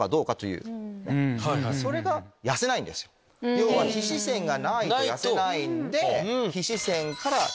要は皮脂腺がないと痩せないんで。